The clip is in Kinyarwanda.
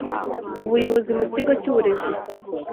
Ubuyobozi mu Kigo cy'Uburezi